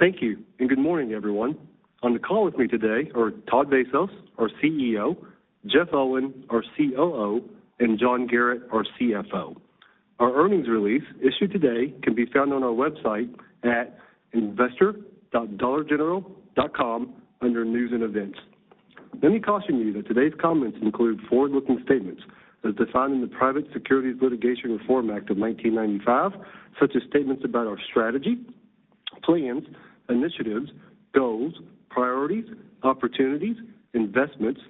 Thank you, good morning, everyone. On the call with me today are Todd Vasos, our CEO, Jeff Owen, our COO, and John Garratt, our CFO. Our earnings release issued today can be found on our website at investor.dollargeneral.com under News and Events. Let me caution you that today's comments include forward-looking statements as defined in the Private Securities Litigation Reform Act of 1995, such as statements about our strategy, plans, initiatives, goals, priorities, opportunities, investments,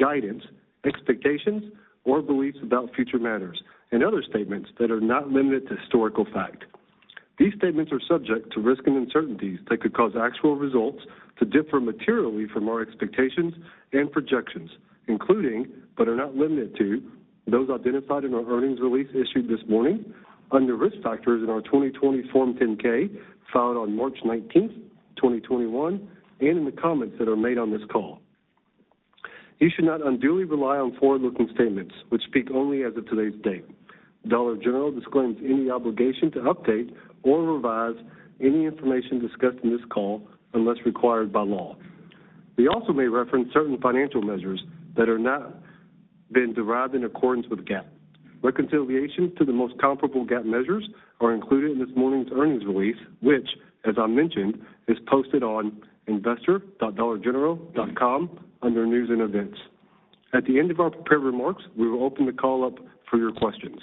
guidance, expectations, or beliefs about future matters, and other statements that are not limited to historical fact. These statements are subject to risks and uncertainties that could cause actual results to differ materially from our expectations and projections, including, but are not limited to, those identified in our earnings release issued this morning under Risk Factors in our 2020 Form 10-K filed on March 19th, 2021, and in the comments that are made on this call. You should not unduly rely on forward-looking statements, which speak only as of today's date. Dollar General disclaims any obligation to update or revise any information discussed on this call unless required by law. We also may reference certain financial measures that have not been derived in accordance with GAAP. Reconciliation to the most comparable GAAP measures are included in this morning's earnings release, which, as I mentioned, is posted on investor.dollargeneral.com under News and Events. At the end of our prepared remarks, we will open the call up for your questions.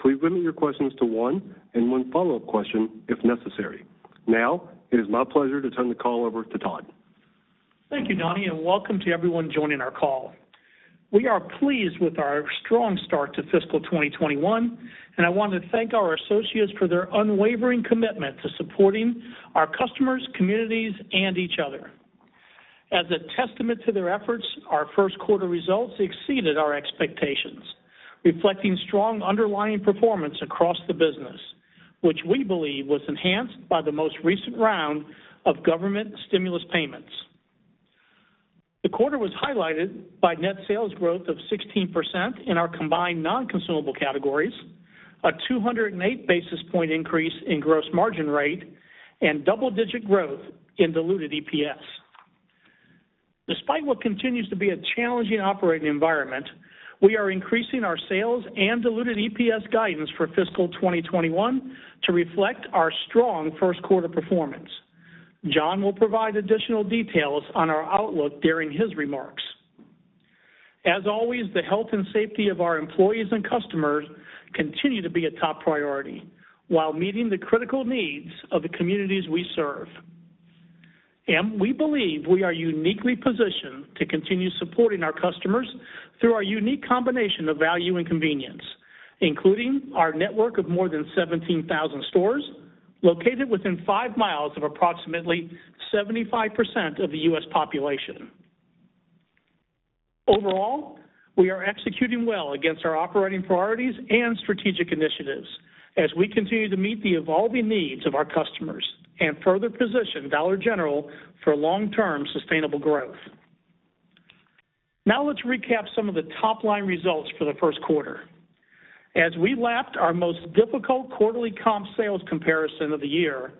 Please limit your questions to one and one follow-up question if necessary. Now, it is my pleasure to turn the call over to Todd. Thank you, Donny, and welcome to everyone joining our call. We are pleased with our strong start to fiscal 2021, and I want to thank our associates for their unwavering commitment to supporting our customers, communities, and each other. As a testament to their efforts, our first quarter results exceeded our expectations, reflecting strong underlying performance across the business, which we believe was enhanced by the most recent round of government stimulus payments. The quarter was highlighted by net sales growth of 16% in our combined non-consumable categories, a 208 basis point increase in gross margin rate, and double-digit growth in diluted EPS. Despite what continues to be a challenging operating environment, we are increasing our sales and diluted EPS guidance for fiscal 2021 to reflect our strong first quarter performance. John will provide additional details on our outlook during his remarks. As always, the health and safety of our employees and customers continue to be a top priority while meeting the critical needs of the communities we serve. We believe we are uniquely positioned to continue supporting our customers through our unique combination of value and convenience, including our network of more than 17,000 stores located within five miles of approximately 75% of the U.S. population. Overall, we are executing well against our operating priorities and strategic initiatives as we continue to meet the evolving needs of our customers and further position Dollar General for long-term sustainable growth. Now let's recap some of the top-line results for the first quarter. As we lapped our most difficult quarterly comp sales comparison of the year,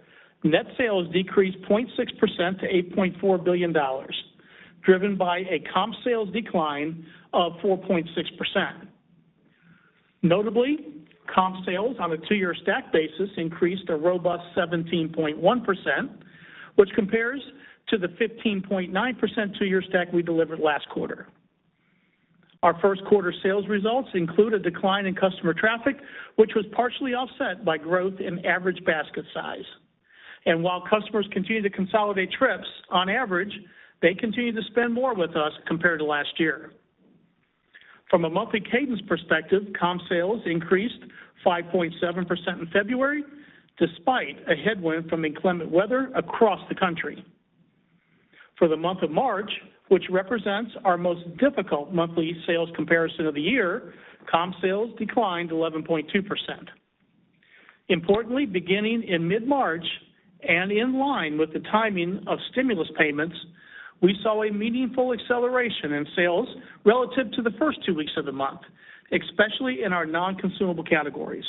net sales decreased 0.6% to $8.4 billion, driven by a comp sales decline of 4.6%. Notably, comp sales on a two-year stack basis increased a robust 17.1%, which compares to the 15.9% two-year stack we delivered last quarter. Our first quarter sales results include a decline in customer traffic, which was partially offset by growth in average basket size. While customers continue to consolidate trips on average, they continue to spend more with us compared to last year. From a monthly cadence perspective, comp sales increased 5.7% in February, despite a headwind from inclement weather across the country. For the month of March, which represents our most difficult monthly sales comparison of the year, comp sales declined 11.2%. Importantly, beginning in mid-March and in line with the timing of stimulus payments, we saw a meaningful acceleration in sales relative to the first two weeks of the month, especially in our non-consumable categories.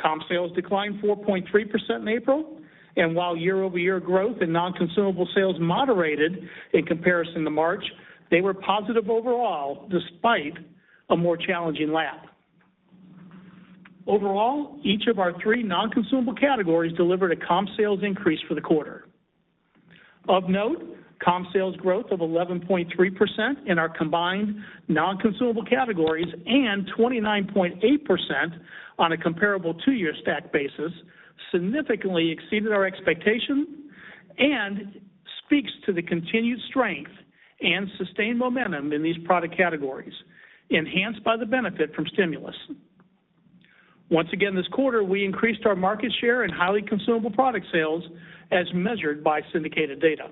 Comp sales declined 4.3% in April, and while year-over-year growth in non-consumable sales moderated in comparison to March, they were positive overall despite a more challenging lap. Overall, each of our three non-consumable categories delivered a comp sales increase for the quarter. Of note, comp sales growth of 11.3% in our combined non-consumable categories and 29.8% on a comparable two-year stack basis significantly exceeded our expectation and speaks to the continued strength and sustained momentum in these product categories, enhanced by the benefit from stimulus. Once again this quarter, we increased our market share in highly consumable product sales as measured by syndicated data.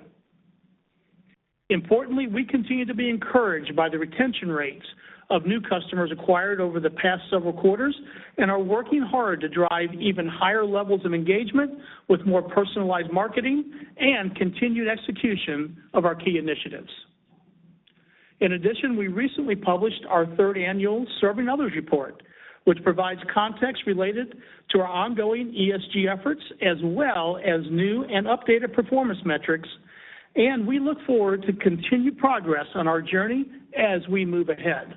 Importantly, we continue to be encouraged by the retention rates of new customers acquired over the past several quarters and are working hard to drive even higher levels of engagement with more personalized marketing and continued execution of our key initiatives. We recently published our third annual Serving Others Report, which provides context related to our ongoing ESG efforts, as well as new and updated performance metrics, and we look forward to continued progress on our journey as we move ahead.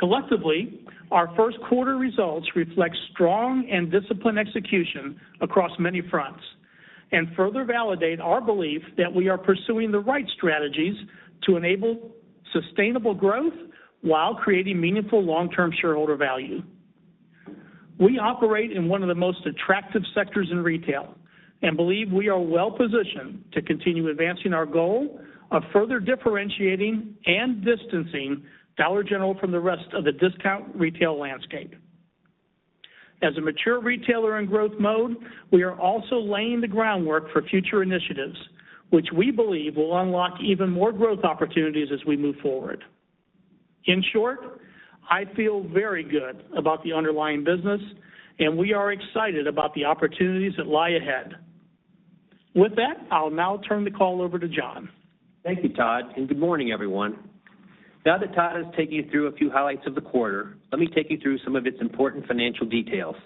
Collectively, our first quarter results reflect strong and disciplined execution across many fronts and further validate our belief that we are pursuing the right strategies to enable sustainable growth while creating meaningful long-term shareholder value. We operate in one of the most attractive sectors in retail and believe we are well-positioned to continue advancing our goal of further differentiating and distancing Dollar General from the rest of the discount retail landscape. As a mature retailer in growth mode, we are also laying the groundwork for future initiatives, which we believe will unlock even more growth opportunities as we move forward. In short, I feel very good about the underlying business, and we are excited about the opportunities that lie ahead. With that, I'll now turn the call over to John. Thank you, Todd, and good morning, everyone. Now that Todd has taken you through a few highlights of the quarter, let me take you through some of its important financial details.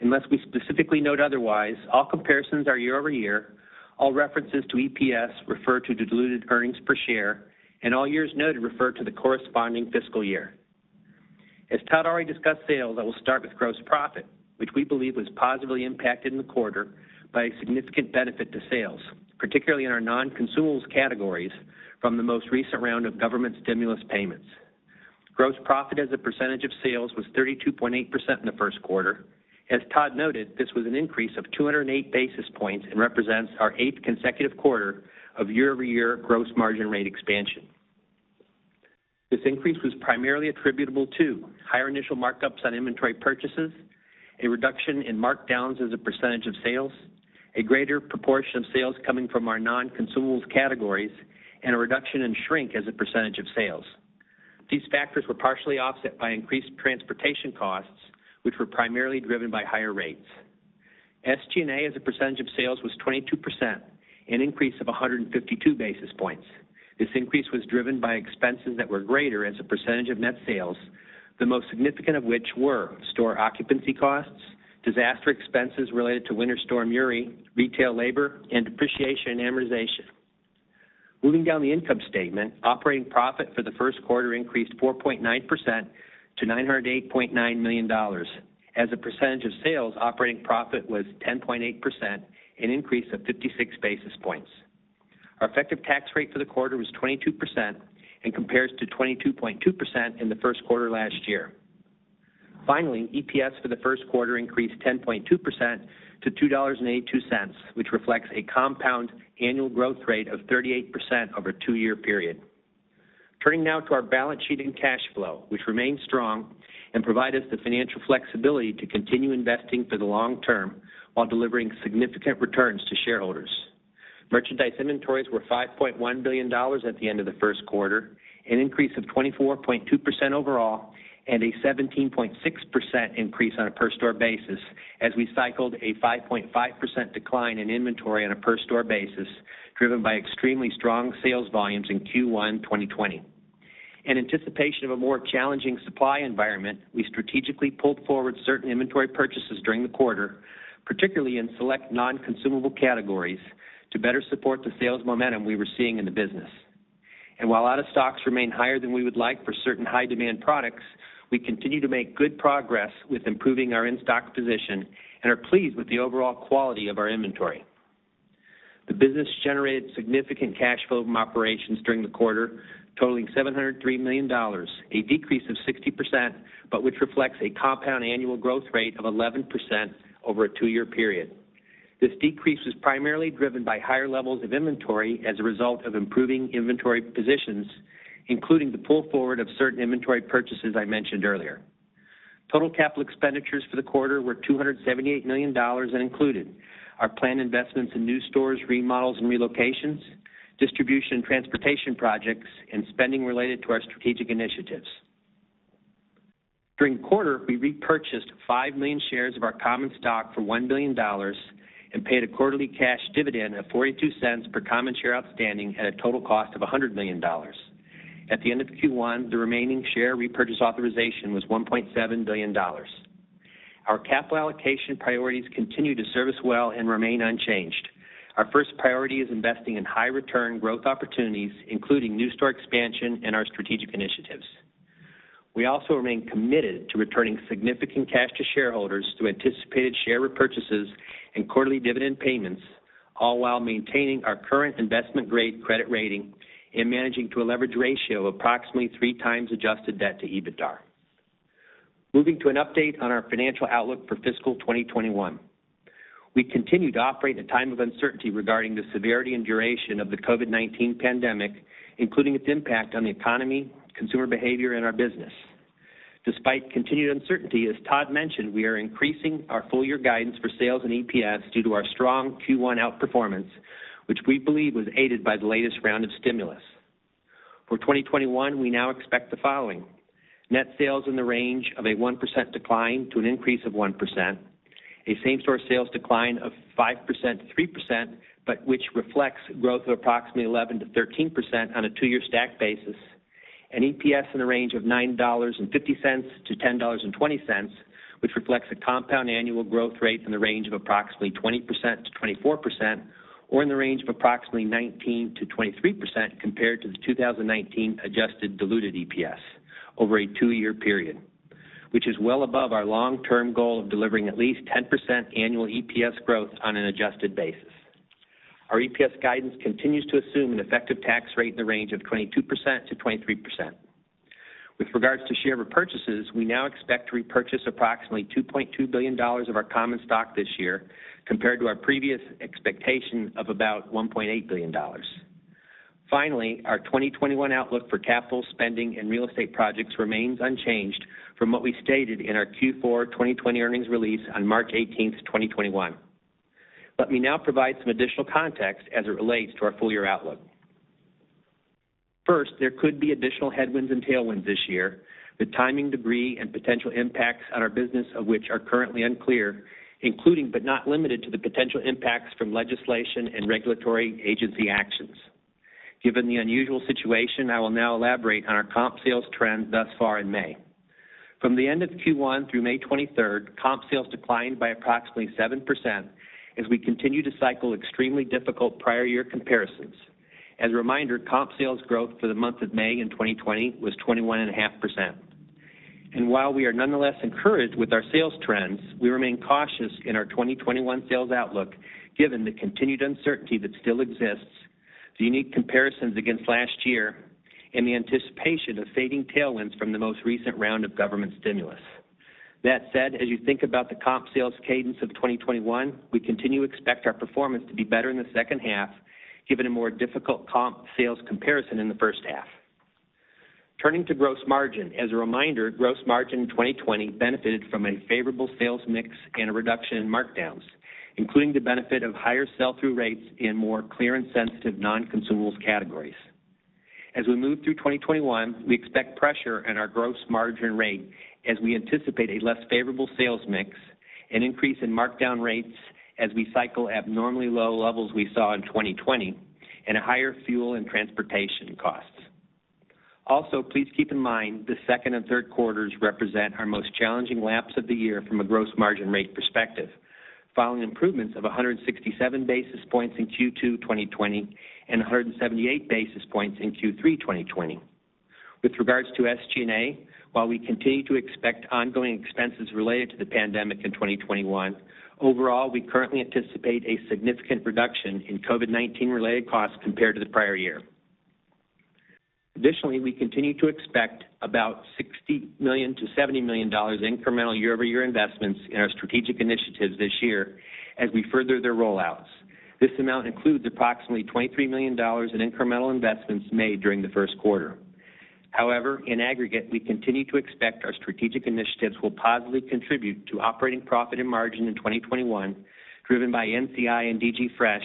Unless we specifically note otherwise, all comparisons are year-over-year, all references to EPS refer to diluted earnings per share, and all years noted refer to the corresponding fiscal year. As Todd already discussed sales, I will start with gross profit, which we believe was positively impacted in the quarter by a significant benefit to sales, particularly in our non-consumables categories from the most recent round of government stimulus payments. Gross profit as a percentage of sales was 32.8% in the first quarter. As Todd noted, this was an increase of 208 basis points and represents our eighth consecutive quarter of year-over-year gross margin rate expansion. This increase was primarily attributable to higher initial markups on inventory purchases, a reduction in markdowns as a percentage of sales, a greater proportion of sales coming from our non-consumables categories, and a reduction in shrink as a percentage of sales. These factors were partially offset by increased transportation costs, which were primarily driven by higher rates. SG&A as a percentage of sales was 22%, an increase of 152 basis points. This increase was driven by expenses that were greater as a percentage of net sales, the most significant of which were store occupancy costs, disaster expenses related to Winter Storm Uri, retail labor, and depreciation and amortization. Moving down the income statement, operating profit for the first quarter increased 4.9% to $908.9 million. As a percentage of sales, operating profit was 10.8%, an increase of 56 basis points. Our effective tax rate for the quarter was 22% and compares to 22.2% in the first quarter last year. Finally, EPS for the first quarter increased 10.2% to $2.82, which reflects a compound annual growth rate of 38% over a two-year period. Turning now to our balance sheet and cash flow, which remained strong and provided the financial flexibility to continue investing for the long term while delivering significant returns to shareholders. Merchandise inventories were $5.1 billion at the end of the first quarter, an increase of 24.2% overall and a 17.6% increase on a per store basis as we cycled a 5.5% decline in inventory on a per store basis, driven by extremely strong sales volumes in Q1 2020. In anticipation of a more challenging supply environment, we strategically pulled forward certain inventory purchases during the quarter, particularly in select non-consumable categories, to better support the sales momentum we were seeing in the business. While out-of-stocks remain higher than we would like for certain high-demand products, we continue to make good progress with improving our in-stock position and are pleased with the overall quality of our inventory. The business generated significant cash flow from operations during the quarter, totaling $703 million, a decrease of 60%, but which reflects a compound annual growth rate of 11% over a two-year period. This decrease was primarily driven by higher levels of inventory as a result of improving inventory positions, including the pull forward of certain inventory purchases I mentioned earlier. Total capital expenditures for the quarter were $278 million and included our planned investments in new stores, remodels, and relocations, distribution and transportation projects, and spending related to our strategic initiatives. During the quarter, we repurchased 5 million shares of our common stock for $1 billion and paid a quarterly cash dividend of $0.42 per common share outstanding at a total cost of $100 million. At the end of Q1, the remaining share repurchase authorization was $1.7 billion. Our capital allocation priorities continue to serve us well and remain unchanged. Our first priority is investing in high return growth opportunities, including new store expansion and our strategic initiatives. We also remain committed to returning significant cash to shareholders through anticipated share repurchases and quarterly dividend payments, all while maintaining our current investment-grade credit rating and managing to a leverage ratio of approximately three times adjusted debt to EBITDA. Moving to an update on our financial outlook for fiscal 2021. We continue to operate in a time of uncertainty regarding the severity and duration of the COVID-19 pandemic, including its impact on the economy, consumer behavior, and our business. Despite continued uncertainty, as Todd mentioned, we are increasing our full year guidance for sales and EPS due to our strong Q1 outperformance, which we believe was aided by the latest round of stimulus. For 2021, we now expect the following: net sales in the range of a 1% decline to an increase of 1%, a same-store sales decline of 5%-3%, but which reflects growth of approximately 11%-13% on a two-year stack basis, an EPS in the range of $9.50-$10.20, which reflects a compound annual growth rate in the range of approximately 20%-24%, or in the range of approximately 19%-23% compared to the 2019 adjusted diluted EPS over a two-year period, which is well above our long-term goal of delivering at least 10% annual EPS growth on an adjusted basis. Our EPS guidance continues to assume an effective tax rate in the range of 22%-23%. With regards to share repurchases, we now expect to repurchase approximately $2.2 billion of our common stock this year, compared to our previous expectation of about $1.8 billion. Finally, our 2021 outlook for capital spending and real estate projects remains unchanged from what we stated in our Q4 2020 earnings release on March 18th, 2021. Let me now provide some additional context as it relates to our full-year outlook. First, there could be additional headwinds and tailwinds this year, the timing thereof and potential impacts on our business of which are currently unclear, including but not limited to the potential impacts from legislation and regulatory agency actions. Given the unusual situation, I will now elaborate on our comp sales trends thus far in May. From the end of Q1 through May 23rd, comp sales declined by approximately 7% as we continue to cycle extremely difficult prior year comparisons. As a reminder, comp sales growth for the month of May in 2020 was 21.5%. While we are nonetheless encouraged with our sales trends, we remain cautious in our 2021 sales outlook given the continued uncertainty that still exists, the unique comparisons against last year, and the anticipation of fading tailwinds from the most recent round of government stimulus. That said, as you think about the comp sales cadence of 2021, we continue to expect our performance to be better in the second half given a more difficult comp sales comparison in the first half. Turning to gross margin. As a reminder, gross margin in 2020 benefited from a favorable sales mix and a reduction in markdowns, including the benefit of higher sell-through rates in more clearance-sensitive non-consumables categories. As we move through 2021, we expect pressure in our gross margin rate as we anticipate a less favorable sales mix, an increase in markdown rates as we cycle abnormally low levels we saw in 2020, and higher fuel and transportation costs. Also, please keep in mind the second and third quarters represent our most challenging laps of the year from a gross margin rate perspective, following improvements of 167 basis points in Q2 2020 and 178 basis points in Q3 2020. With regards to SG&A, while we continue to expect ongoing expenses related to the pandemic in 2021, overall, we currently anticipate a significant reduction in COVID-19 related costs compared to the prior year. Additionally, we continue to expect about $60 million-$70 million in incremental year-over-year investments in our strategic initiatives this year as we further their rollouts. This amount includes approximately $23 million in incremental investments made during the first quarter. In aggregate, we continue to expect our strategic initiatives will positively contribute to operating profit and margin in 2021, driven by NCI and DG Fresh,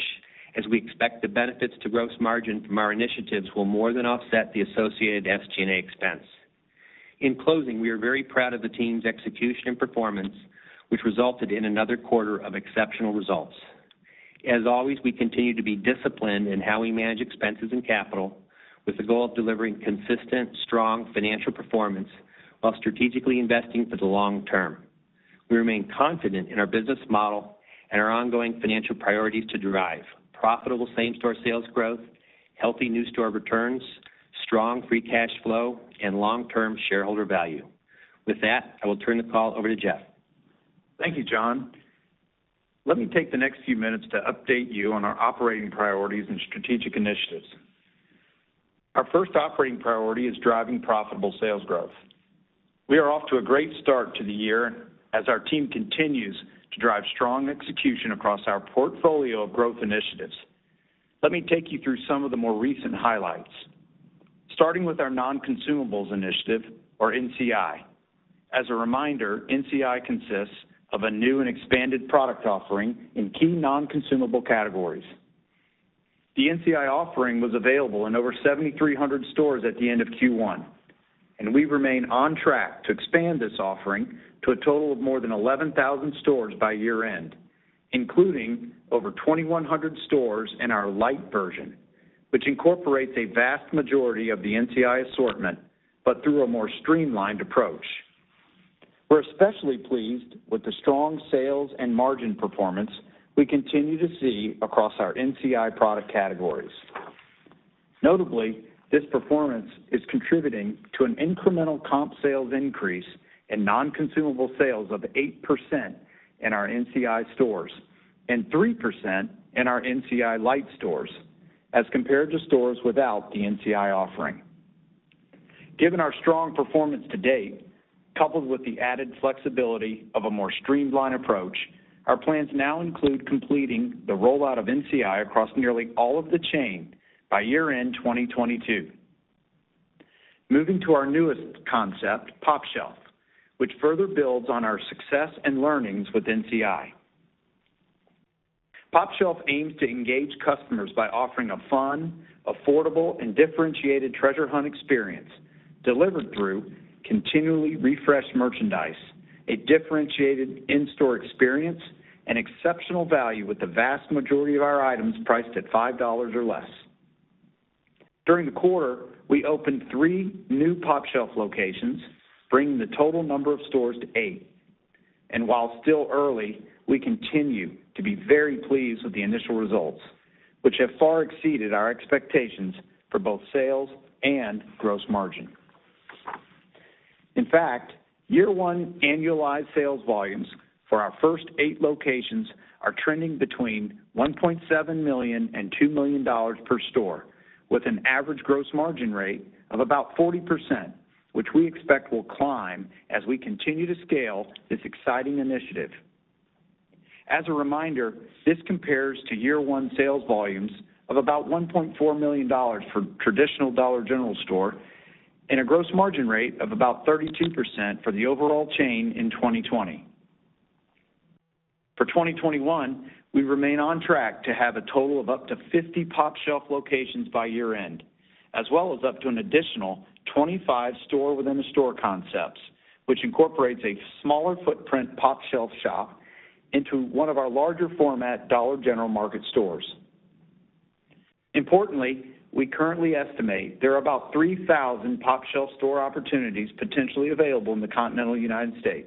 as we expect the benefits to gross margin from our initiatives will more than offset the associated SG&A expense. In closing, we are very proud of the team's execution and performance, which resulted in another quarter of exceptional results. As always, we continue to be disciplined in how we manage expenses and capital, with the goal of delivering consistent, strong financial performance while strategically investing for the long term. We remain confident in our business model and our ongoing financial priorities to drive profitable same-store sales growth, healthy new store returns, strong free cash flow, and long-term shareholder value. With that, I will turn the call over to Jeff. Thank you, John. Let me take the next few minutes to update you on our operating priorities and strategic initiatives. Our first operating priority is driving profitable sales growth. We are off to a great start to the year as our team continues to drive strong execution across our portfolio of growth initiatives. Let me take you through some of the more recent highlights. Starting with our Non-Consumables Initiative, or NCI. As a reminder, NCI consists of a new and expanded product offering in key non-consumable categories. The NCI offering was available in over 7,300 stores at the end of Q1, and we remain on track to expand this offering to a total of more than 11,000 stores by year-end, including over 2,100 stores in our Lite version, which incorporates a vast majority of the NCI assortment, but through a more streamlined approach. We're especially pleased with the strong sales and margin performance we continue to see across our NCI product categories. Notably, this performance is contributing to an incremental comp sales increase in non-consumable sales of 8% in our NCI stores and 3% in our NCI Lite stores as compared to stores without the NCI offering. Given our strong performance to date, coupled with the added flexibility of a more streamlined approach, our plans now include completing the rollout of NCI across nearly all of the chain by year-end 2022. Moving to our newest concept, pOpshelf, which further builds on our success and learnings with NCI. pOpshelf aims to engage customers by offering a fun, affordable, and differentiated treasure hunt experience delivered through continually refreshed merchandise, a differentiated in-store experience, and exceptional value with the vast majority of our items priced at $5 or less. During the quarter, we opened three new pOpshelf locations, bringing the total number of stores to eight. While still early, we continue to be very pleased with the initial results, which have far exceeded our expectations for both sales and gross margin. In fact, year one annualized sales volumes for our first eight locations are trending between $1.7 million and $2 million per store, with an average gross margin rate of about 40%, which we expect will climb as we continue to scale this exciting initiative. As a reminder, this compares to year one sales volumes of about $1.4 million for a traditional Dollar General store and a gross margin rate of about 32% for the overall chain in 2020. For 2021, we remain on track to have a total of up to 50 pOpshelf locations by year-end, as well as up to an additional 25 store-within-a-store concepts, which incorporates a smaller footprint pOpshelf shop into one of our larger format Dollar General Market stores. We currently estimate there are about 3,000 pOpshelf store opportunities potentially available in the continental U.S.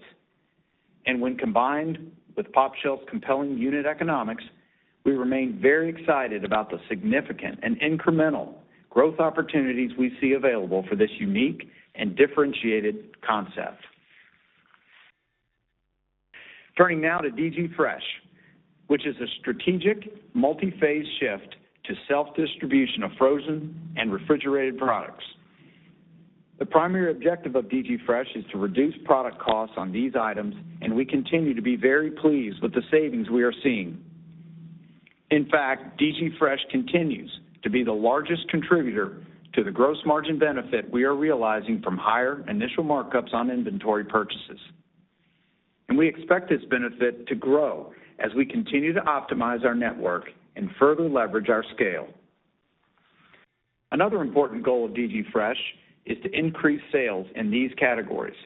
When combined with pOpshelf's compelling unit economics, we remain very excited about the significant and incremental growth opportunities we see available for this unique and differentiated concept. Turning now to DG Fresh, which is a strategic multi-phase shift to self-distribution of frozen and refrigerated products. The primary objective of DG Fresh is to reduce product costs on these items, we continue to be very pleased with the savings we are seeing. In fact, DG Fresh continues to be the largest contributor to the gross margin benefit we are realizing from higher initial markups on inventory purchases. We expect this benefit to grow as we continue to optimize our network and further leverage our scale. Another important goal of DG Fresh is to increase sales in these categories,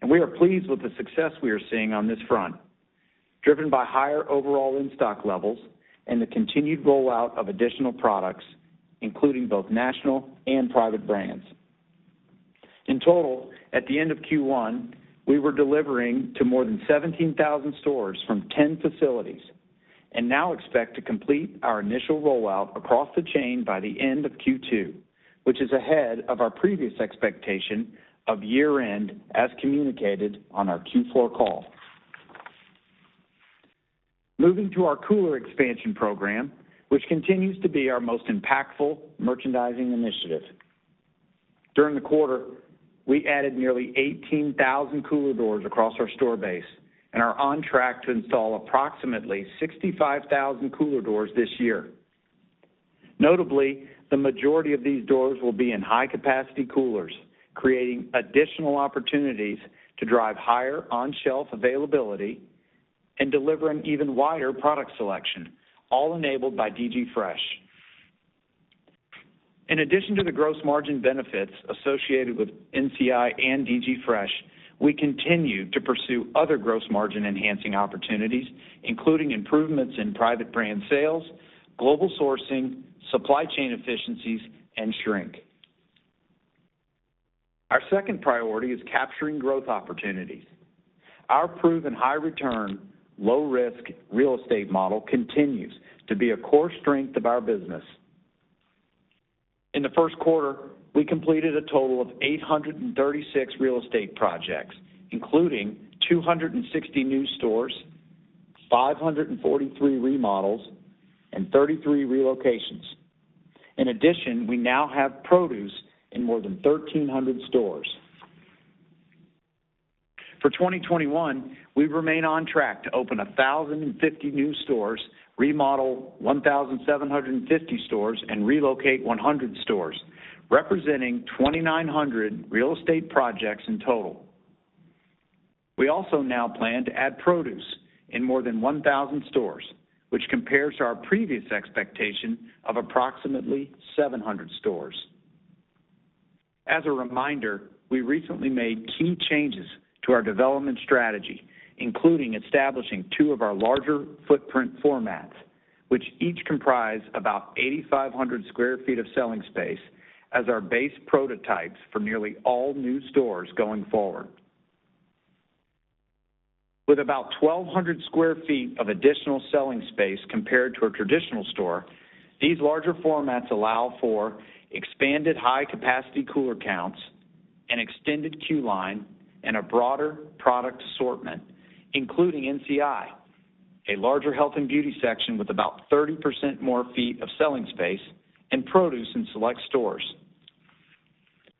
and we are pleased with the success we are seeing on this front, driven by higher overall in-stock levels and the continued rollout of additional products, including both national and private brands. In total, at the end of Q1, we were delivering to more than 17,000 stores from 10 facilities and now expect to complete our initial rollout across the chain by the end of Q2, which is ahead of our previous expectation of year-end, as communicated on our Q4 call. Moving to our cooler expansion program, which continues to be our most impactful merchandising initiative. During the quarter, we added nearly 18,000 cooler doors across our store base and are on track to install approximately 65,000 cooler doors this year. Notably, the majority of these doors will be in high-capacity coolers, creating additional opportunities to drive higher on-shelf availability and deliver an even wider product selection, all enabled by DG Fresh. In addition to the gross margin benefits associated with NCI and DG Fresh, we continue to pursue other gross margin-enhancing opportunities, including improvements in private brand sales, global sourcing, supply chain efficiencies, and shrink. Our second priority is capturing growth opportunities. Our proven high return, low-risk real estate model continues to be a core strength of our business. In the first quarter, we completed a total of 836 real estate projects, including 260 new stores, 543 remodels, and 33 relocations. In addition, we now have produce in more than 1,300 stores. For 2021, we remain on track to open 1,050 new stores, remodel 1,750 stores, and relocate 100 stores, representing 2,900 real estate projects in total. We also now plan to add produce in more than 1,000 stores, which compares to our previous expectation of approximately 700 stores. As a reminder, we recently made key changes to our development strategy, including establishing two of our larger footprint formats, which each comprise about 8,500 square feet of selling space as our base prototypes for nearly all new stores going forward. With about 1,200 sq ft of additional selling space compared to a traditional store, these larger formats allow for expanded high-capacity cooler counts, an extended queue line, and a broader product assortment, including NCI, a larger health and beauty section with about 30% more feet of selling space, and produce in select stores.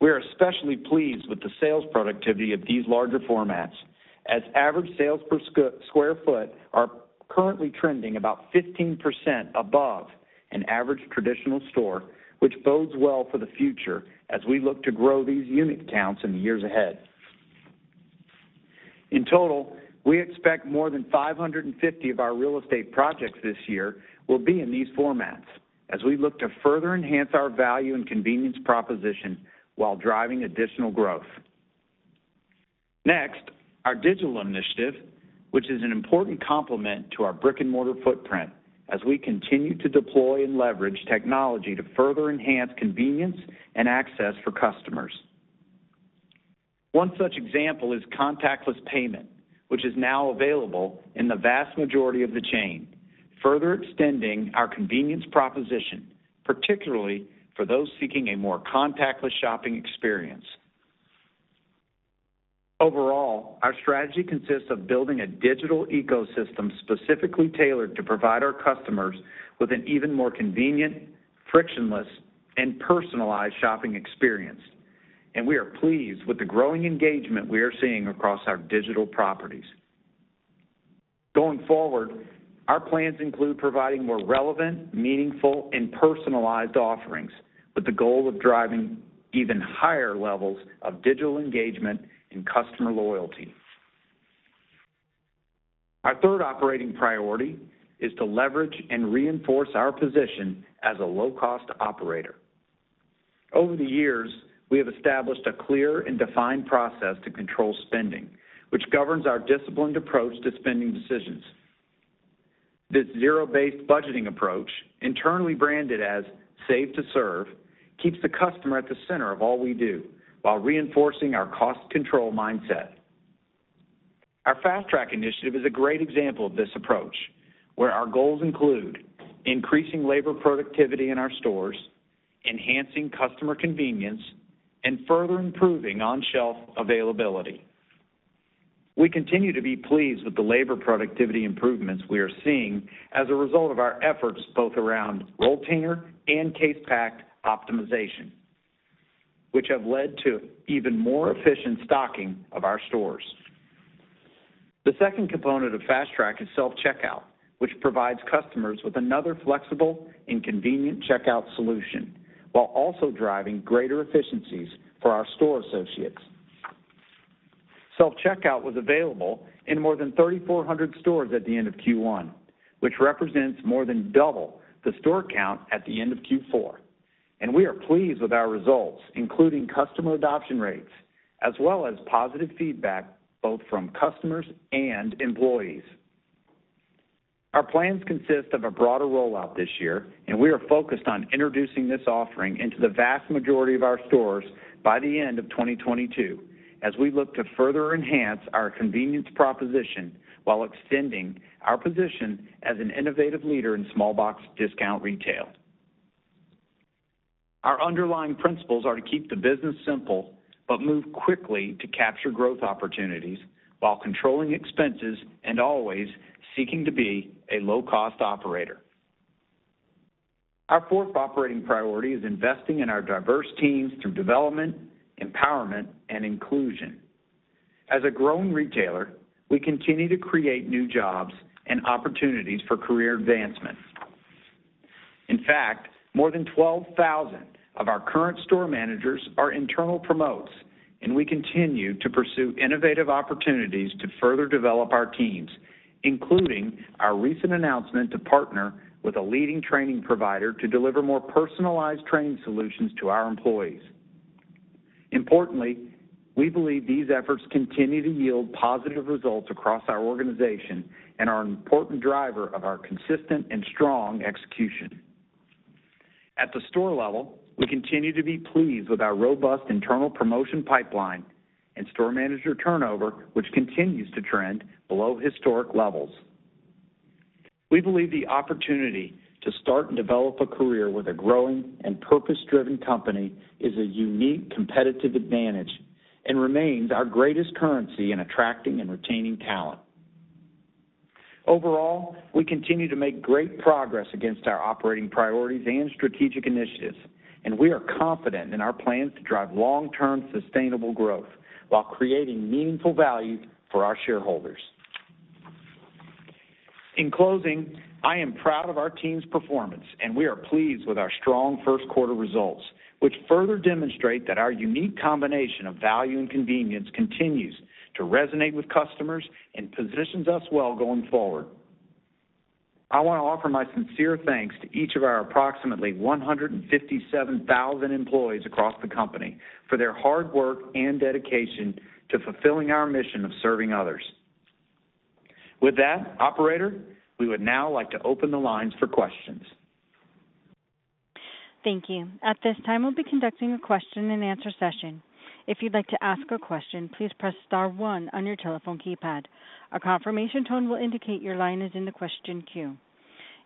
We are especially pleased with the sales productivity of these larger formats, as average sales per sq ft are currently trending about 15% above an average traditional store, which bodes well for the future as we look to grow these unit counts in the years ahead. In total, we expect more than 550 of our real estate projects this year will be in these formats as we look to further enhance our value and convenience proposition while driving additional growth. Next, our digital initiative, which is an important complement to our brick-and-mortar footprint as we continue to deploy and leverage technology to further enhance convenience and access for customers. One such example is contactless payment, which is now available in the vast majority of the chain, further extending our convenience proposition, particularly for those seeking a more contactless shopping experience. Overall, our strategy consists of building a digital ecosystem specifically tailored to provide our customers with an even more convenient, frictionless, and personalized shopping experience, and we are pleased with the growing engagement we are seeing across our digital properties. Going forward, our plans include providing more relevant, meaningful, and personalized offerings with the goal of driving even higher levels of digital engagement and customer loyalty. Our third operating priority is to leverage and reinforce our position as a low-cost operator. Over the years, we have established a clear and defined process to control spending, which governs our disciplined approach to spending decisions. This zero-based budgeting approach, internally branded as Save to Serve, keeps the customer at the center of all we do while reinforcing our cost control mindset. Our Fast Track initiative is a great example of this approach, where our goals include increasing labor productivity in our stores, enhancing customer convenience, and further improving on-shelf availability. We continue to be pleased with the labor productivity improvements we are seeing as a result of our efforts both around rolltainer and case pack optimization, which have led to even more efficient stocking of our stores. The second component of Fast Track is self-checkout, which provides customers with another flexible and convenient checkout solution while also driving greater efficiencies for our store associates. Self-checkout was available in more than 3,400 stores at the end of Q1, which represents more than double the store count at the end of Q4, and we are pleased with our results, including customer adoption rates, as well as positive feedback both from customers and employees. Our plans consist of a broader rollout this year, and we are focused on introducing this offering into the vast majority of our stores by the end of 2022 as we look to further enhance our convenience proposition while extending our position as an innovative leader in small box discount retail. Our underlying principles are to keep the business simple but move quickly to capture growth opportunities while controlling expenses and always seeking to be a low-cost operator. Our fourth operating priority is investing in our diverse teams through development, empowerment, and inclusion. As a growing retailer, we continue to create new jobs and opportunities for career advancement. In fact, more than 12,000 of our current store managers are internal promotes, and we continue to pursue innovative opportunities to further develop our teams, including our recent announcement to partner with a leading training provider to deliver more personalized training solutions to our employees. Importantly, we believe these efforts continue to yield positive results across our organization and are an important driver of our consistent and strong execution. At the store level, we continue to be pleased with our robust internal promotion pipeline and store manager turnover, which continues to trend below historic levels. We believe the opportunity to start and develop a career with a growing and purpose-driven company is a unique competitive advantage and remains our greatest currency in attracting and retaining talent. Overall, we continue to make great progress against our operating priorities and strategic initiatives, and we are confident in our plans to drive long-term sustainable growth while creating meaningful value for our shareholders. In closing, I am proud of our team's performance, and we are pleased with our strong first quarter results, which further demonstrate that our unique combination of value and convenience continues to resonate with customers and positions us well going forward. I want to offer my sincere thanks to each of our approximately 157,000 employees across the company for their hard work and dedication to fulfilling our mission of serving others. With that, operator, we would now like to open the lines for questions. Thank you. At this time, we'll be conducting a question and answer session. If you would like to ask a question please press star one on your telephone keypad. A confirmation tone will indicate your line is in the question queue.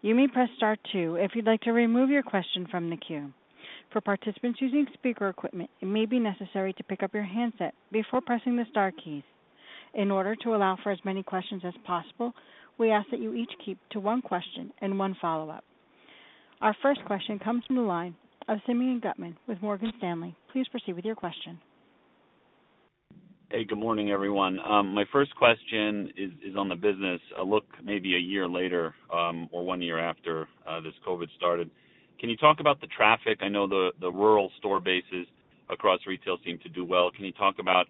You may press star two if you would like to remove yourself from the queue. For participants using speaker equipment, you maybe it maybe necessary to pick up your headset before pressing the star key. In order to allow for as many questions as possible, we ask that you each keep to one question and one follow-up. Our first question comes from the line of Simeon Gutman with Morgan Stanley. Please proceed with your question. Hey, good morning, everyone. My first question is on the business look maybe a year later or one year after this COVID started. Can you talk about the traffic? I know the rural store bases across retail seem to do well. Can you talk about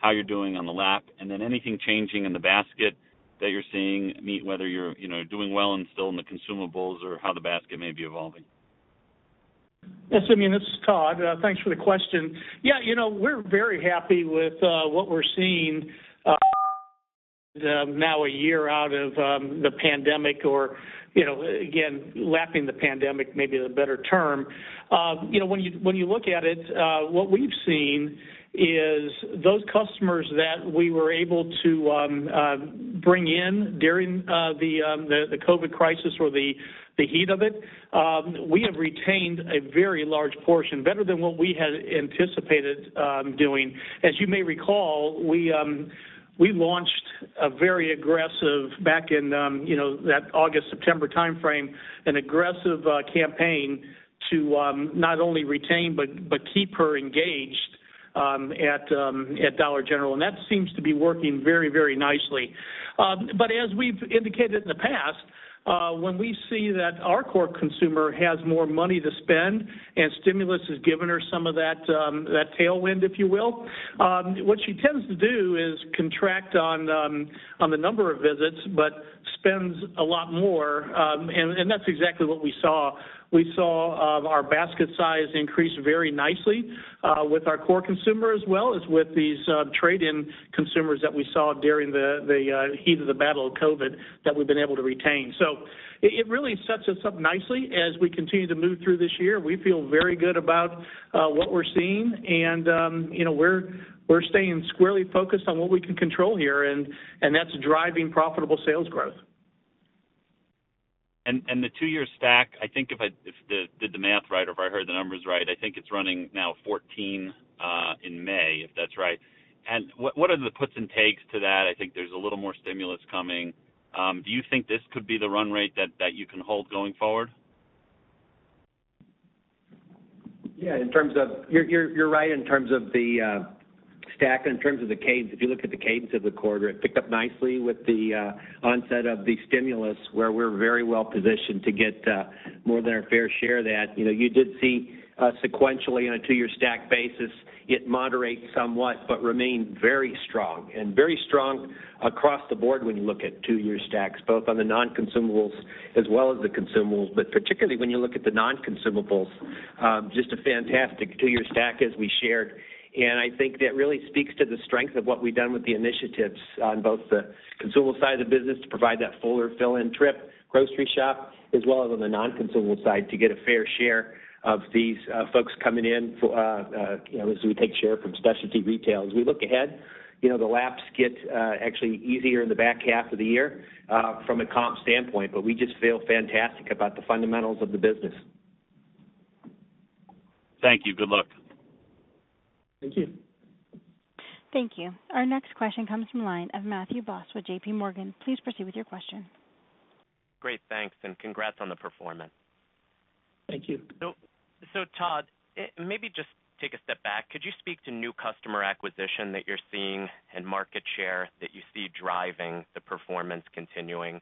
How you're doing on the lap, and then anything changing in the basket that you're seeing, whether you're doing well and still in the consumables or how the basket may be evolving. Yes. Again, this is Todd. Thanks for the question. Yeah, we're very happy with what we're seeing now a year out of the pandemic or, again, lapping the pandemic may be the better term. When you look at it, what we've seen is those customers that we were able to bring in during the COVID crisis or the heat of it, we have retained a very large portion, better than what we had anticipated doing. As you may recall, we launched, back in that August-September timeframe, an aggressive campaign to not only retain but keep her engaged at Dollar General. That seems to be working very nicely. As we've indicated in the past, when we see that our core consumer has more money to spend and stimulus has given her some of that tailwind, if you will, what she tends to do is contract on the number of visits but spends a lot more, and that's exactly what we saw. We saw our basket size increase very nicely with our core consumer, as well as with these trade-in consumers that we saw during the heat of the battle of COVID-19 that we've been able to retain. It really sets us up nicely as we continue to move through this year. We feel very good about what we're seeing, and we're staying squarely focused on what we can control here, and that's driving profitable sales growth. The two-year stack, if I did the math right or if I heard the numbers right, I think it's running now 14% in May, if that's right. What are the puts and takes to that? I think there's a little more stimulus coming. Do you think this could be the run rate that you can hold going forward? Yeah, you're right in terms of the stack. If you look at the cadence of the quarter, it picked up nicely with the onset of the stimulus where we're very well positioned to get more than our fair share of that. You did see sequentially on a two-year stack basis, it moderates somewhat but remained very strong and very strong across the board when you look at two-year stacks, both on the non-consumables as well as the consumables. Particularly when you look at the non-consumables, just a fantastic two-year stack as we shared. I think that really speaks to the strength of what we've done with the initiatives on both the consumable side of the business to provide that fuller fill-in trip grocery shop, as well as on the non-consumable side to get a fair share of these folks coming in as we take share from specialty retailers. We look ahead, the laps get actually easier in the back half of the year from a comp standpoint, but we just feel fantastic about the fundamentals of the business. Thank you. Good luck. Thank you. Thank you. Our next question comes from the line of Matthew Boss with JPMorgan. Please proceed with your question. Great. Thanks and congrats on the performance. Thank you. Todd, maybe just take a step back. Could you speak to new customer acquisition that you're seeing and market share that you see driving the performance continuing?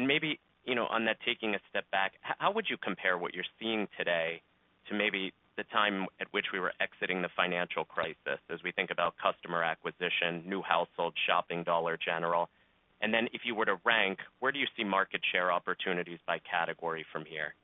Maybe, on that, taking a step back, how would you compare what you're seeing today to maybe the time at which we were exiting the financial crisis as we think about customer acquisition, new household shopping Dollar General? Then if you were to rank, where do you see market share opportunities by category from here?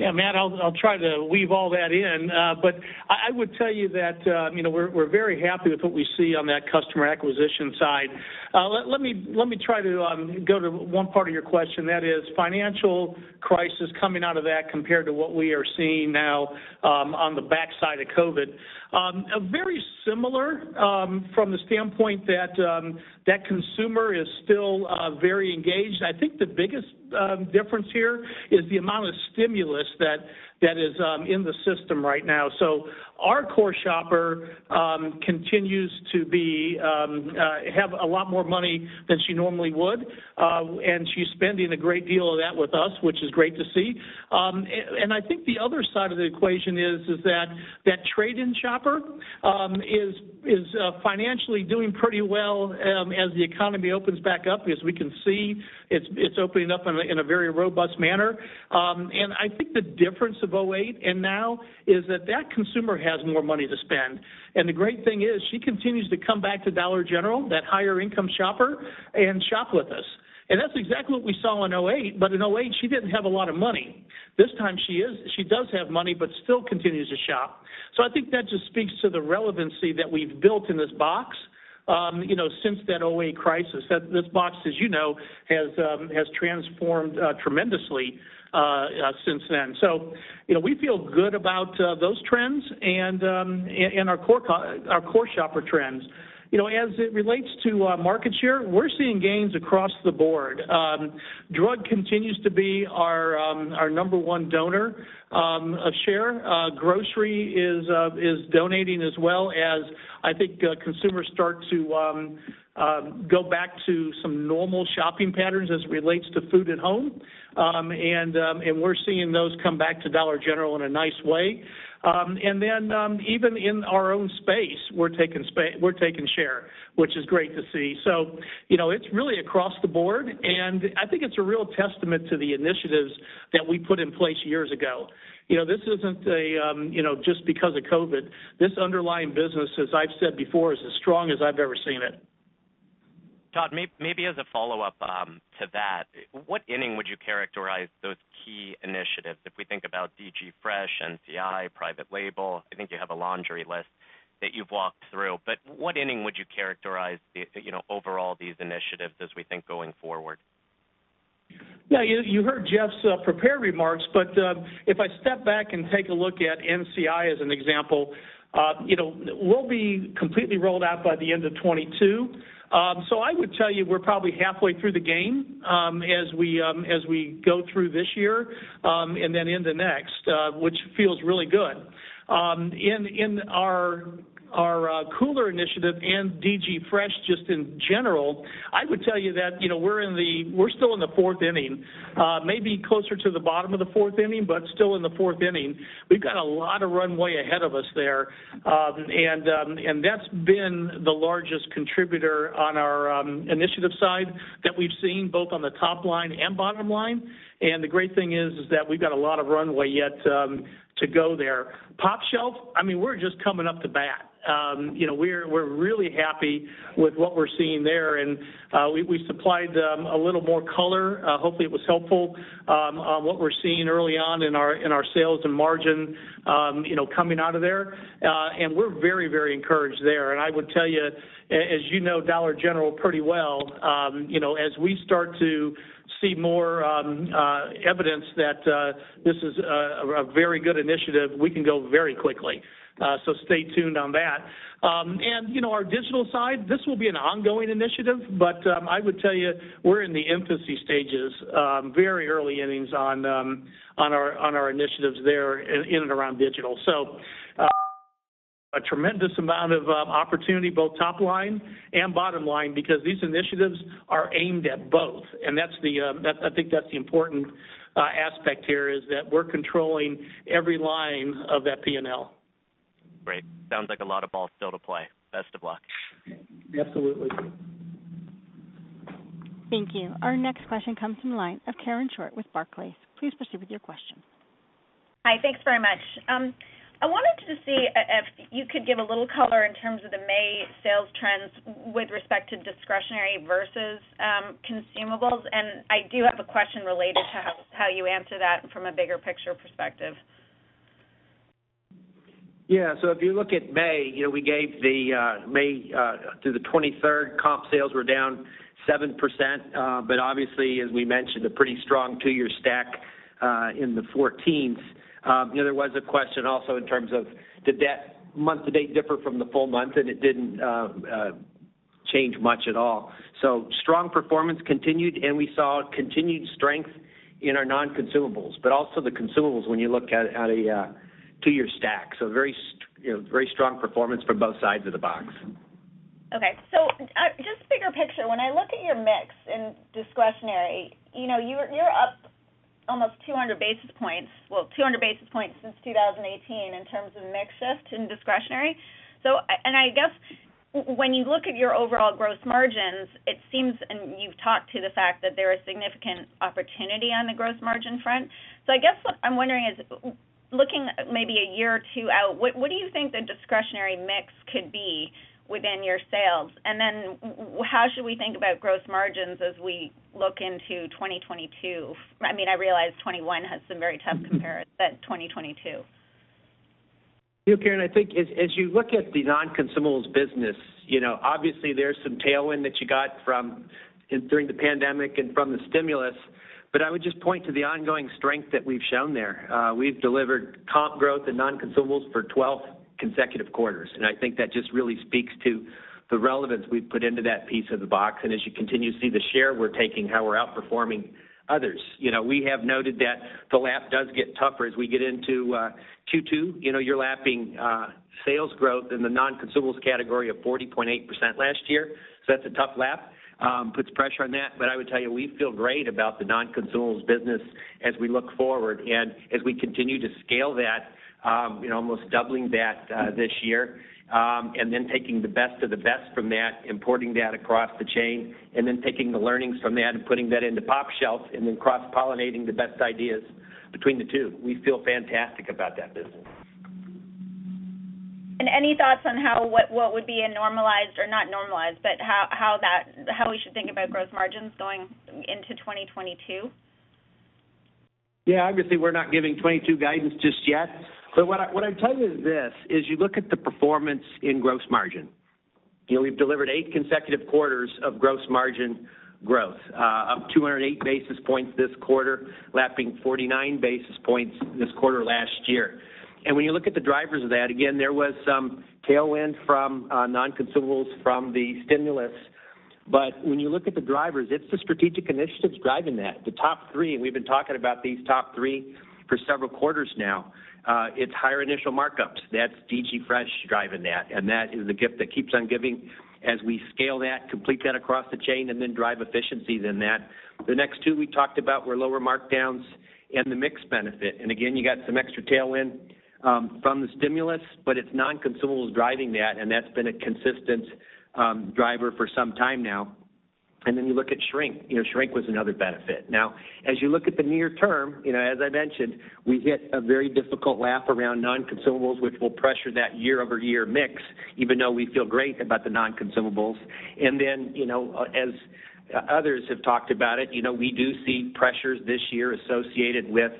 Yeah, Matt, I'll try to weave all that in. I would tell you that we're very happy with what we see on that customer acquisition side. Let me try to go to one part of your question, that is financial crisis coming out of that compared to what we are seeing now on the backside of COVID. Very similar from the standpoint that that consumer is still very engaged. I think the biggest difference here is the amount of stimulus that is in the system right now. Our core shopper continues to have a lot more money than she normally would, and she's spending a great deal of that with us, which is great to see. I think the other side of the equation is that that trade-in shopper is financially doing pretty well as the economy opens back up. We can see, it's opening up in a very robust manner. I think the difference of 2008 and now is that consumer has more money to spend. The great thing is she continues to come back to Dollar General, that higher income shopper, and shop with us. That's exactly what we saw in 2008, but in 2008, she didn't have a lot of money. This time she does have money but still continues to shop. I think that just speaks to the relevancy that we've built in this box since that 2008 crisis. This box, as you know, has transformed tremendously since then. We feel good about those trends and our core shopper trends. As it relates to market share, we're seeing gains across the board. Drug continues to be our number one donor of share. Grocery is donating as well as I think consumers start to go back to some normal shopping patterns as it relates to food at home. We're seeing those come back to Dollar General in a nice way. Even in our own space, we're taking share, which is great to see. It's really across the board, and I think it's a real testament to the initiatives that we put in place years ago. This isn't just because of COVID. This underlying business, as I've said before, is as strong as I've ever seen it. Todd, maybe as a follow-up to that, what inning would you characterize those key initiatives? If we think about DG Fresh, NCI, private label, I think you have a laundry list that you've walked through, what inning would you characterize overall these initiatives as we think going forward? You heard Jeff's prepared remarks. If I step back and take a look at NCI as an example, we'll be completely rolled out by the end of 2022. I would tell you we're probably halfway through the game as we go through this year and then into next, which feels really good. In our cooler initiative and DG Fresh just in general, I would tell you that we're still in the fourth inning. Maybe closer to the bottom of the fourth inning, but still in the fourth inning. We've got a lot of runway ahead of us there. That's been the largest contributor on our initiative side that we've seen, both on the top line and bottom line. The great thing is that we've got a lot of runway yet to go there. pOpshelf, we're just coming up to bat. We're really happy with what we're seeing there, and we supplied a little more color. Hopefully, it was helpful on what we're seeing early on in our sales and margin coming out of there. We're very encouraged there. I would tell you, as you know Dollar General pretty well, as we start to see more evidence that this is a very good initiative, we can go very quickly. Stay tuned on that. Our digital side, this will be an ongoing initiative, but I would tell you we're in the infancy stages, very early innings on our initiatives there in and around digital. A tremendous amount of opportunity, both top line and bottom line, because these initiatives are aimed at both. I think that's the important aspect here is that we're controlling every line of that P&L. Great. Sounds like a lot of ball still to play. Best of luck. Absolutely. Thank you. Our next question comes from the line of Karen Short with Barclays. Please proceed with your question. Hi, thanks very much. I wanted to see if you could give a little color in terms of the May sales trends with respect to discretionary versus consumables. I do have a question related to how you answer that from a bigger picture perspective. Yeah. If you look at May, we gave the May through the 23rd, comp sales were down 7%. Obviously, as we mentioned, a pretty strong two-year stack in the 14th. There was a question also in terms of did that month-to-date differ from the full month, and it didn't change much at all. Strong performance continued, and we saw continued strength in our Non-Consumables. Also the Consumables when you look at a two-year stack. Very strong performance from both sides of the box. Okay. Just bigger picture, when I look at your mix in discretionary, you're up almost 200 basis points. Well, 200 basis points since 2018 in terms of mix shift in discretionary. And I guess when you look at your overall gross margins, it seems, and you've talked to the fact that there is significant opportunity on the gross margin front. I guess what I'm wondering is looking maybe a year or two out, what do you think the discretionary mix could be within your sales? And then how should we think about gross margins as we look into 2022? I realize 2021 has some very tough comparisons, but 2022. Yeah, Karen, I think as you look at the non-consumables business, obviously, there's some tailwind that you got from during the pandemic and from the stimulus. I would just point to the ongoing strength that we've shown there. We've delivered comp growth in non-consumables for 12 consecutive quarters, I think that just really speaks to the relevance we've put into that piece of the box. As you continue to see the share we're taking, how we're outperforming others. We have noted that the lap does get tougher as we get into Q2. You're lapping sales growth in the non-consumables category of 40.8% last year. That's a tough lap. Puts pressure on that. I would tell you, we feel great about the non-consumables business as we look forward and as we continue to scale that, almost doubling that this year. Taking the best of the best from that and porting that across the chain, and then taking the learnings from that and putting that into pOpshelf, and then cross-pollinating the best ideas between the two. We feel fantastic about that business. Any thoughts on how what would be a normalized or not normalized, but how we should think about growth margins going into 2022? Yeah, obviously, we're not giving 2022 guidance just yet. What I'd tell you is this, as you look at the performance in gross margin. We've delivered eight consecutive quarters of gross margin growth, up 208 basis points this quarter, lapping 49 basis points this quarter last year. When you look at the drivers of that, again, there was some tailwind from non-consumables from the stimulus. When you look at the drivers, it's the strategic initiatives driving that. The top three, we've been talking about these top three for several quarters now. It's higher initial markups. That's DG Fresh driving that is the gift that keeps on giving. As we scale that, complete that across the chain, drive efficiencies in that. The next two we talked about were lower markdowns and the mix benefit. Again, you got some extra tailwind from the stimulus, but it's non-consumables driving that, and that's been a consistent driver for some time now. You look at shrink. Shrink was another benefit. As you look at the near term, as I mentioned, we hit a very difficult lap around non-consumables, which will pressure that year-over-year mix, even though we feel great about the non-consumables. As others have talked about it, we do see pressures this year associated with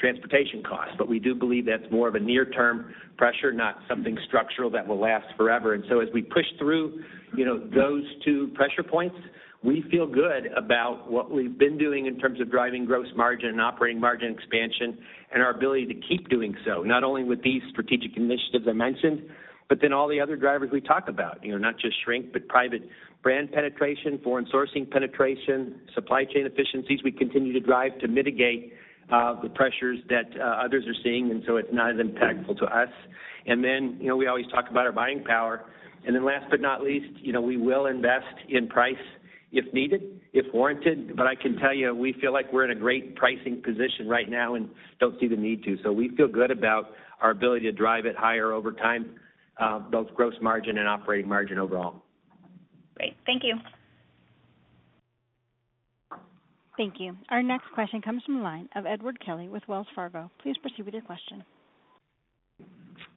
transportation costs. We do believe that's more of a near-term pressure, not something structural that will last forever. As we push through those two pressure points, we feel good about what we've been doing in terms of driving gross margin and operating margin expansion and our ability to keep doing so. Not only with these strategic initiatives I mentioned, all the other drivers we talk about. Not just shrink, but private brand penetration, foreign sourcing penetration, supply chain efficiencies we continue to drive to mitigate the pressures that others are seeing, and so it's not as impactful to us. We always talk about our buying power. Last but not least, we will invest in price if needed, if warranted. I can tell you, we feel like we're in a great pricing position right now and don't see the need to. We feel good about our ability to drive it higher over time, both gross margin and operating margin overall. Great. Thank you. Thank you. Our next question comes from the line of Edward Kelly with Wells Fargo. Please proceed with your question.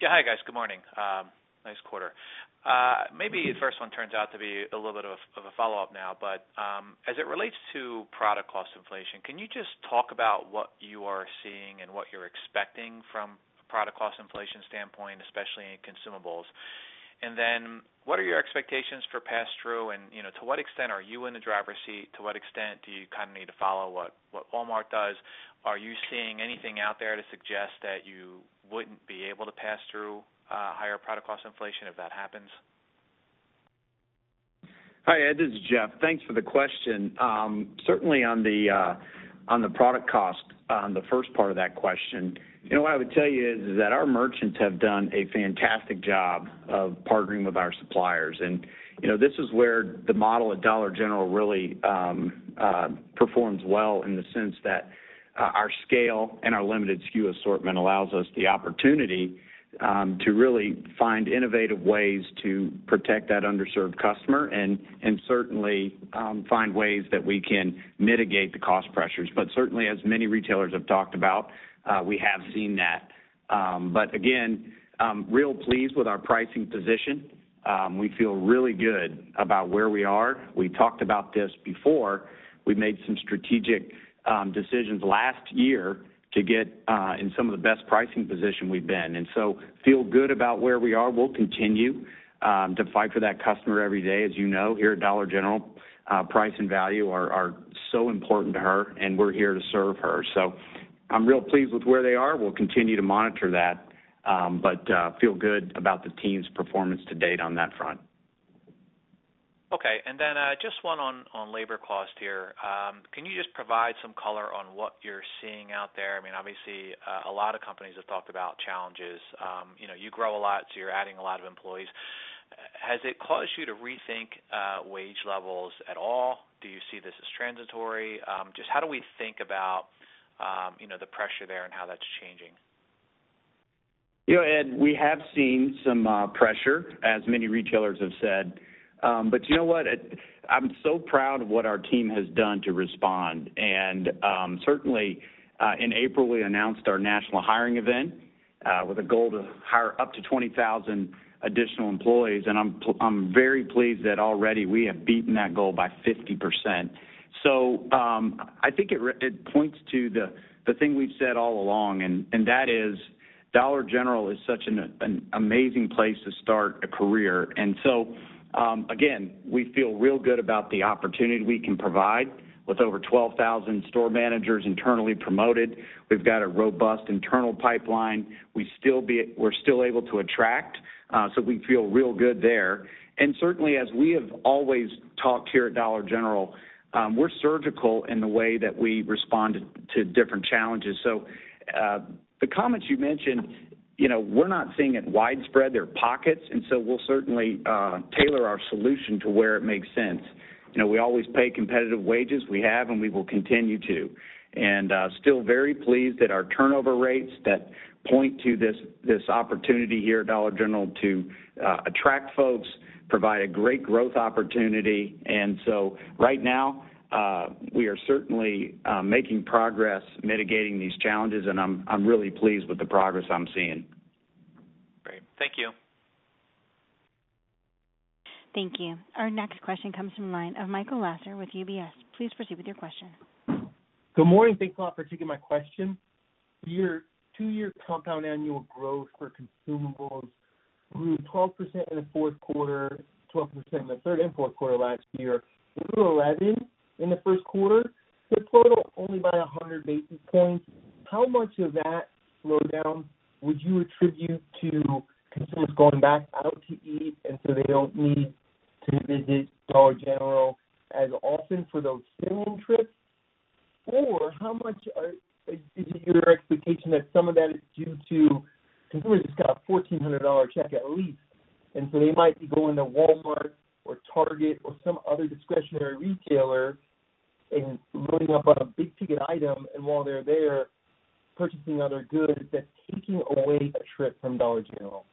Hi, guys. Good morning. Nice quarter. Maybe the first one turns out to be a little bit of a follow-up now. As it relates to product cost inflation, can you just talk about what you are seeing and what you're expecting from a product cost inflation standpoint, especially in consumables? What are your expectations for pass-through and to what extent are you in the driver's seat? To what extent do you kind of need to follow what Walmart does? Are you seeing anything out there to suggest that you wouldn't be able to pass through higher product cost inflation if that happens? Hi, Ed. This is Jeff. Thanks for the question. Certainly on the product cost, on the first part of that question, what I would tell you is that our merchants have done a fantastic job of partnering with our suppliers. This is where the model at Dollar General really performs well in the sense that our scale and our limited SKU assortment allows us the opportunity to really find innovative ways to protect that underserved customer and certainly find ways that we can mitigate the cost pressures. Certainly, as many retailers have talked about, we have seen that. Again, real pleased with our pricing position. We feel really good about where we are. We talked about this before. We made some strategic decisions last year to get in some of the best pricing position we've been. Feel good about where we are. We'll continue to fight for that customer every day. As you know, here at Dollar General, price and value are so important to her, and we're here to serve her. I'm real pleased with where they are. We'll continue to monitor that, feel good about the team's performance to date on that front. Okay. Just one on labor cost here. Can you just provide some color on what you're seeing out there? Obviously, a lot of companies have talked about challenges. You grow a lot, you're adding a lot of employees. Has it caused you to rethink wage levels at all? Do you see this as transitory? Just how do we think about the pressure there and how that's changing? Ed, we have seen some pressure, as many retailers have said. You know what? I'm so proud of what our team has done to respond. Certainly, in April, we announced our national hiring event with a goal to hire up to 20,000 additional employees, and I'm very pleased that already we have beaten that goal by 50%. I think it points to the thing we've said all along, and that is Dollar General is such an amazing place to start a career. Again, we feel real good about the opportunity we can provide. With over 12,000 store managers internally promoted, we've got a robust internal pipeline. We're still able to attract, we feel real good there. Certainly, as we have always talked here at Dollar General, we're surgical in the way that we respond to different challenges. The comments you mentioned, we're not seeing it widespread. They're pockets, and so we'll certainly tailor our solution to where it makes sense. We always pay competitive wages. We have, and we will continue to. Still very pleased at our turnover rates that point to this opportunity here at Dollar General to attract folks, provide a great growth opportunity. Right now, we are certainly making progress mitigating these challenges, and I'm really pleased with the progress I'm seeing. Great. Thank you. Thank you. Our next question comes from the line of Michael Lasser with UBS. Please proceed with your question. Good morning. Thanks a lot for taking my question. Your two-year compound annual growth for consumables grew 12% in the fourth quarter, 12% in the third and fourth quarter last year. It was 11 in the first quarter, hit total only by 100 basis points. How much of that slowdown would you attribute to consumers going back out to eat, and so they don't need to visit Dollar General as often for those filling trips? Or how much is your expectation that some of that is due to consumers got a $1,400 check at least, and so they might be going to Walmart or Target or some other discretionary retailer and loading up on a big ticket item, and while they're there, purchasing other goods that's taking away a trip from Dollar General?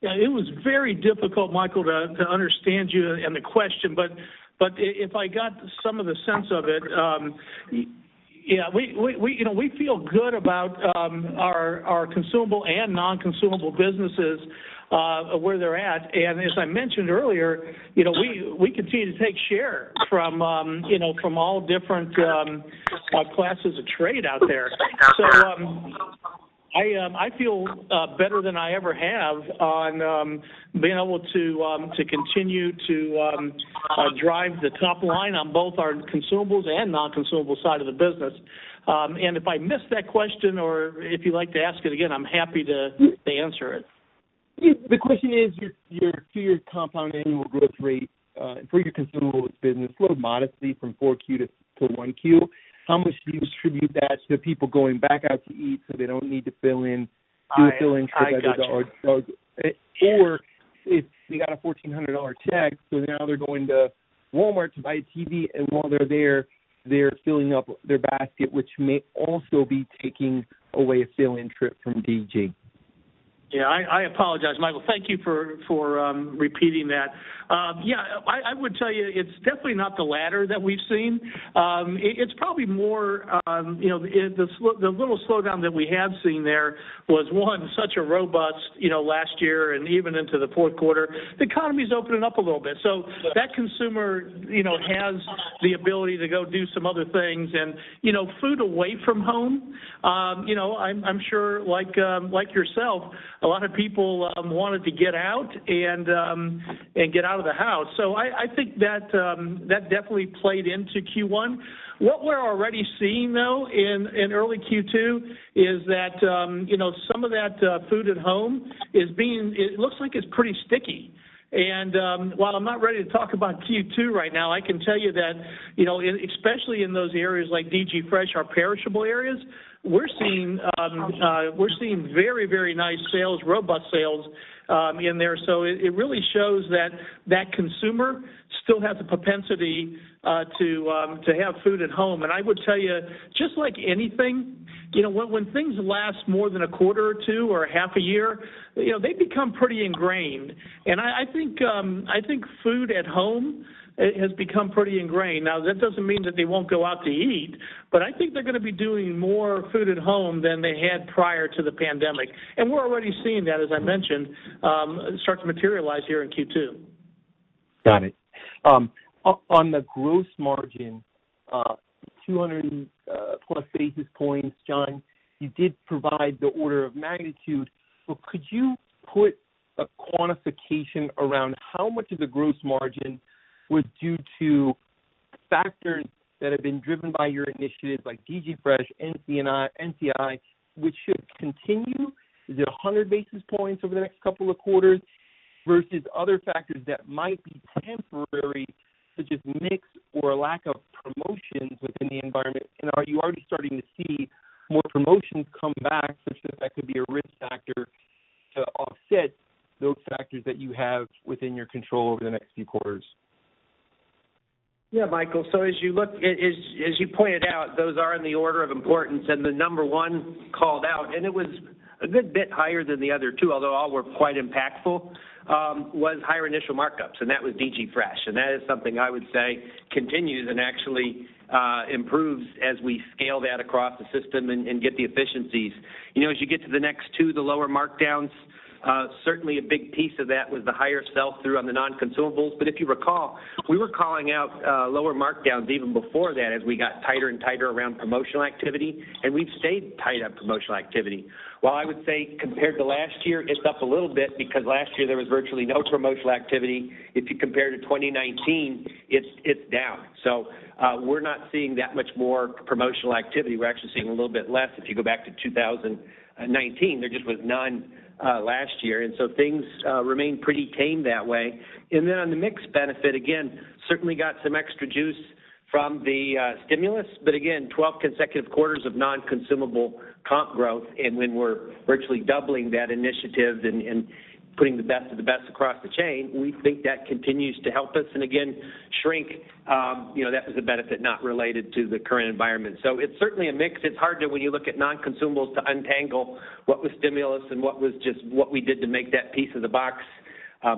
It was very difficult, Michael, to understand you and the question, but if I got some of the sense of it, we feel good about our consumable and non-consumable businesses where they're at. As I mentioned earlier, we continue to take share from all different classes of trade out there. I feel better than I ever have on being able to continue to drive the top line on both our consumables and non-consumable side of the business. If I missed that question or if you'd like to ask it again, I'm happy to answer it. The question is your compound annual growth rate for your consumables business, a little modestly from 4Q to 1Q, how much do you attribute that to the people going back out to eat, so they don't need to? I gotcha. They got a $1,400 check, so now they're going to Walmart to buy a TV, and while they're there, they're filling up their basket, which may also be taking away a filling trip from DG. Yeah, I apologize, Michael. Thank you for repeating that. Yeah, I would tell you it's definitely not the latter that we've seen. It's probably more, the little slowdown that we have seen there was one, such a robust last year and even into the fourth quarter, the economy's opening up a little bit. That consumer has the ability to go do some other things and food away from home, I'm sure like yourself, a lot of people wanted to get out and get out of the house. I think that definitely played into Q1. What we're already seeing, though, in early Q2 is that some of that food at home, it looks like it's pretty sticky. While I'm not ready to talk about Q2 right now, I can tell you that especially in those areas like DG Fresh, our perishable areas, we're seeing very, very nice sales, robust sales in there. It really shows that that consumer still had the propensity to have food at home. I would tell you, just like anything, when things last more than a quarter or two or half a year, they become pretty ingrained. I think food at home has become pretty ingrained. Now, that doesn't mean that they won't go out to eat, but I think they're going to be doing more food at home than they had prior to the pandemic. We're already seeing that, as I mentioned, start to materialize here in Q2. Got it. On the gross margin, 200-plus basis points, John, you did provide the order of magnitude, but could you put a quantification around how much of the gross margin was due to factors that have been driven by your initiatives like DG Fresh, NCI, which should continue? Is it 100 basis points over the next couple of quarters versus other factors that might be temporary, such as mix or lack of promotions within the environment? Are you already starting to see more promotions come back such that that could be a risk factor to offset those factors that you have within your control over the next few quarters? Yeah, Michael. As you pointed out, those are in the order of importance and the number 1 called out, and it was a good bit higher than the other two, although all were quite impactful, was higher initial markups and that was DG Fresh. That is something I would say continues and actually improves as we scale that across the system and get the efficiencies. As you get to the next two, the lower markdowns, certainly a big piece of that was the higher sell-through on the Non-Consumables. If you recall, we were calling out lower markdowns even before that as we got tighter and tighter around promotional activity, and we've stayed tight on promotional activity. While I would say compared to last year, it's up a little bit because last year there was virtually no promotional activity. If you compare to 2019, it's down. We're not seeing that much more promotional activity. We're actually seeing a little bit less if you go back to 2019. There just was none last year. Things remain pretty tame that way. On the mix benefit, again, certainly got some extra juice from the stimulus. Again, 12 consecutive quarters of Non-Consumables comp growth, and when we're virtually doubling that initiative and putting the best of the best across the chain, we think that continues to help us and again, shrink. That's the benefit not related to the current environment. It's certainly a mix. It's hard to, when you look at Non-Consumables, to untangle what was stimulus and what was just what we did to make that piece of the box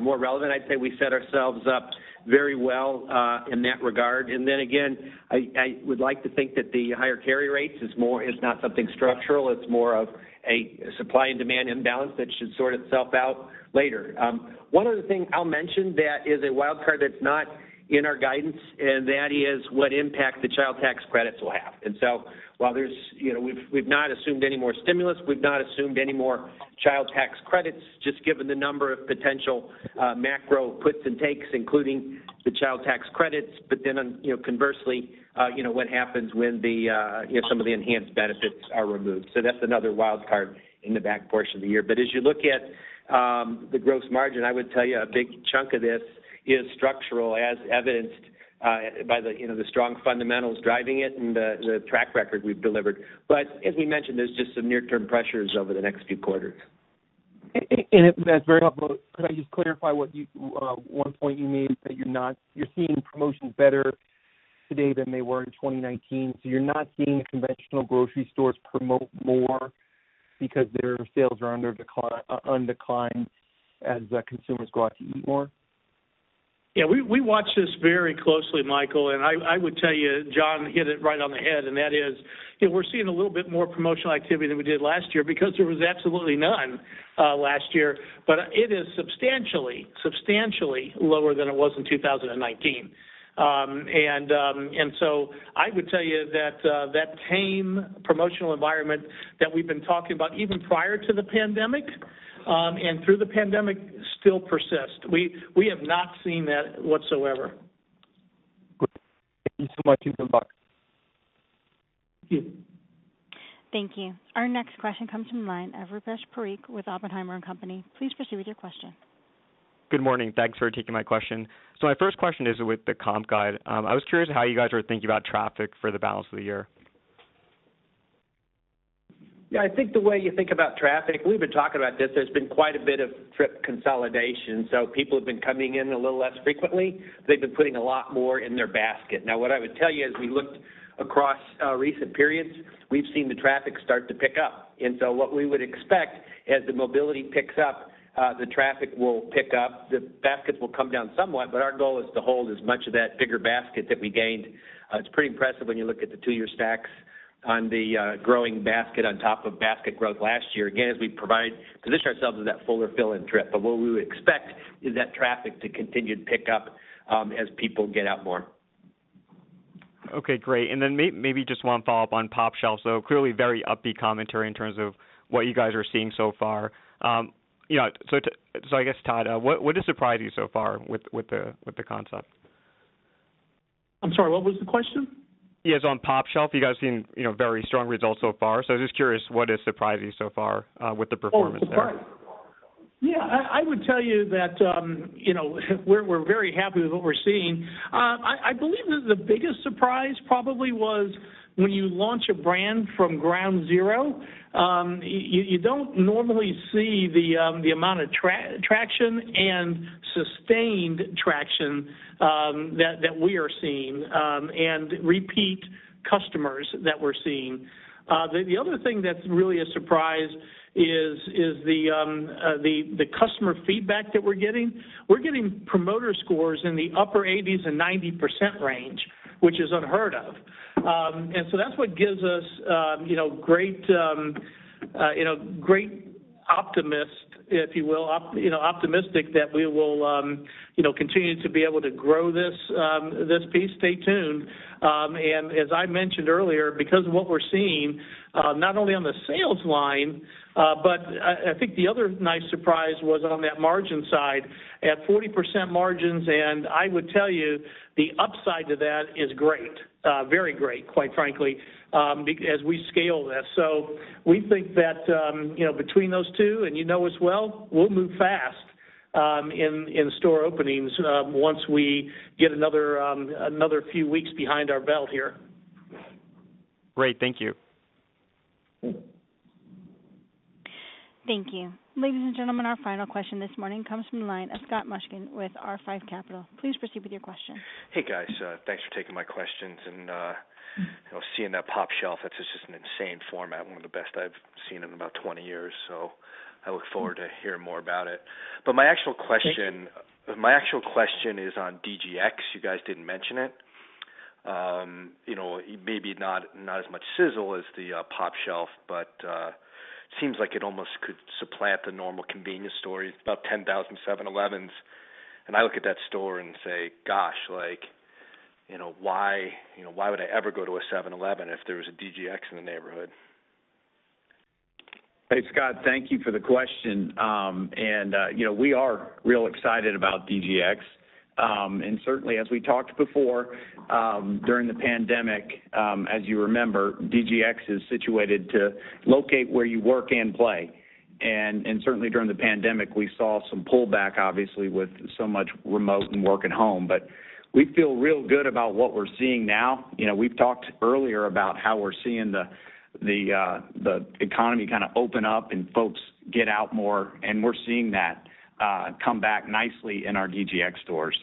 more relevant. I'd say we set ourselves up very well in that regard. Again, I would like to think that the higher carry rates is not something structural. It's more of a supply and demand imbalance that should sort itself out later. One other thing I'll mention that is a wild card that's not in our guidance, and that is what impact the child tax credits will have. While we've not assumed any more stimulus, we've not assumed any more child tax credits, just given the number of potential macro puts and takes, including the child tax credits. Conversely, what happens when some of the enhanced benefits are removed. That's another wild card in the back portion of the year. As you look at the gross margin, I would tell you a big chunk of this is structural, as evidenced by the strong fundamentals driving it and the track record we've delivered. As we mentioned, there's just some near-term pressures over the next few quarters. That's very helpful. Could I just clarify one point you made that you're seeing promotions better today than they were in 2019. You're not seeing conventional grocery stores promote more because their sales are on decline as consumers go out to eat more? Yeah, we watch this very closely, Michael, and I would tell you, John hit it right on the head, and that is, we're seeing a little bit more promotional activity than we did last year because there was absolutely none last year. It is substantially lower than it was in 2019. I would tell you that tame promotional environment that we've been talking about even prior to the pandemic, and through the pandemic, still persists. We have not seen that whatsoever. Good. Thank you so much. You can go. Thank you. Our next question comes from the line of Rupesh Parikh with Oppenheimer & Company. Please proceed with your question. Good morning. Thanks for taking my question. My first question is with the comp guide. I was curious how you guys are thinking about traffic for the balance of the year. Yeah, I think the way you think about traffic, we've been talking about this. There's been quite a bit of trip consolidation, people have been coming in a little less frequently. They've been putting a lot more in their basket. Now, what I would tell you, as we looked across recent periods, we've seen the traffic start to pick up. What we would expect as the mobility picks up, the traffic will pick up. The basket will come down somewhat, our goal is to hold as much of that bigger basket that we gained. It's pretty impressive when you look at the two-year stacks on the growing basket on top of basket growth last year. Again, as we position ourselves in that fuller filling trip. What we would expect is that traffic to continue to pick up as people get out more. Okay, great. Maybe just one follow-up on pOpshelf. Clearly very upbeat commentary in terms of what you guys are seeing so far. I guess, Todd, what has surprised you so far with the concept? I'm sorry, what was the question? Yes, on pOpshelf, you guys have seen very strong results so far. I'm just curious, what is surprising you so far with the performance there? Sorry. Yeah, I would tell you that we're very happy with what we're seeing. I believe that the biggest surprise probably was when you launch a brand from ground zero, you don't normally see the amount of traction and sustained traction that we are seeing, and repeat customers that we're seeing. The other thing that's really a surprise is the customer feedback that we're getting. We're getting promoter scores in the upper 80s and 90% range, which is unheard of. That's what gives us great optimistic that we will continue to be able to grow this beast. Stay tuned. As I mentioned earlier, because of what we're seeing, not only on the sales line, but I think the other nice surprise was on that margin side at 40% margins, and I would tell you the upside to that is great. Very great, quite frankly, as we scale this. We think that between those two, and you know as well, we'll move fast in store openings once we get another few weeks behind our belt here. Great. Thank you. Thank you. Ladies and gentlemen, our final question this morning comes from the line of Scott Mushkin with R5 Capital. Please proceed with your question. Hey, guys. Thanks for taking my questions, and seeing that pOpshelf, this is an insane format, one of the best I've seen in about 20 years. I look forward to hearing more about it. My actual question is on DGX. You guys didn't mention it. Maybe not as much sizzle as the pOpshelf, but seems like it almost could supplant the normal convenience store. There's about 10,000 7-Elevens, and I look at that store and say, "Gosh, why would I ever go to a 7-Eleven if there was a DGX in the neighborhood? Hey, Scott, thank you for the question. We are real excited about DGX. Certainly, as we talked before, during the pandemic, as you remember, DGX is situated to locate where you work and play. Certainly during the pandemic, we saw some pullback, obviously, with so much remote and work at home. We feel real good about what we're seeing now. We've talked earlier about how we're seeing the economy kind of open up and folks get out more, and we're seeing that come back nicely in our DGX stores.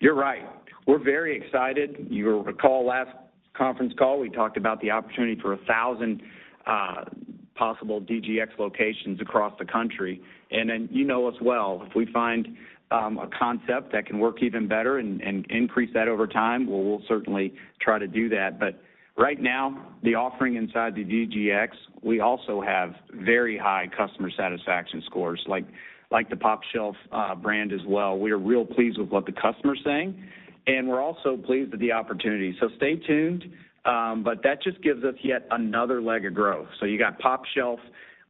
You're right. We're very excited. You'll recall last conference call, we talked about the opportunity for 1,000 possible DGX locations across the country. Then you know as well, if we find a concept that can work even better and increase that over time, well, we'll certainly try to do that. Right now, the offering inside the DGX, we also have very high customer satisfaction scores, like the pOpshelf brand as well. We are real pleased with what the customer's saying, and we're also pleased with the opportunity. Stay tuned, that just gives us yet another leg of growth. You got pOpshelf,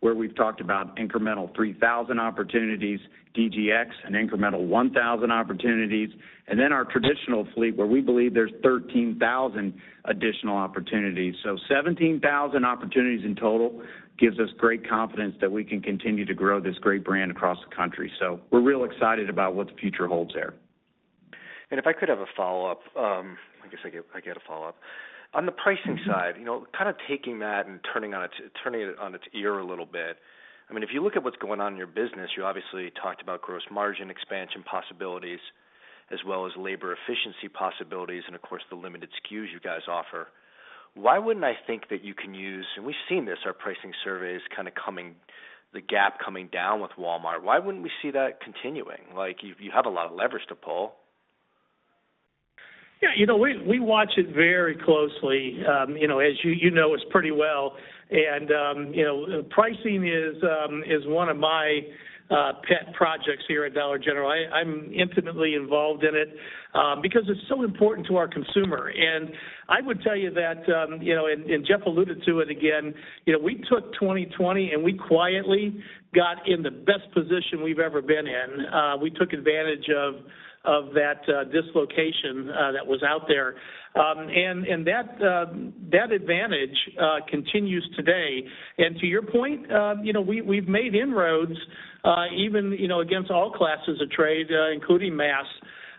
where we've talked about incremental 3,000 opportunities, DGX, an incremental 1,000 opportunities, then our traditional fleet, where we believe there's 13,000 additional opportunities. 17,000 opportunities in total gives us great confidence that we can continue to grow this great brand across the country. We're real excited about what the future holds there. If I could have a follow-up. I guess I get a follow-up. On the pricing side, kind of taking that and turning it on its ear a little bit. If you look at what's going on in your business, you obviously talked about gross margin expansion possibilities as well as labor efficiency possibilities, and of course, the limited SKUs you guys offer. Why wouldn't I think that you can use, and we've seen this, our pricing surveys, kind of the gap coming down with Walmart? Why wouldn't we see that continuing? You have a lot of leverage to pull. Yeah. We watch it very closely. As you know us pretty well, pricing is one of my pet projects here at Dollar General. I'm intimately involved in it because it's so important to our consumer. I would tell you that, and Jeff alluded to it again, we took 2020 and we quietly got in the best position we've ever been in. We took advantage of that dislocation that was out there. That advantage continues today. To your point, we've made inroads, even against all classes of trade, including mass.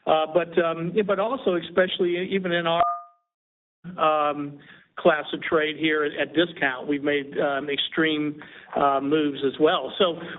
Also especially even in our class of trade here at discount, we've made extreme moves as well.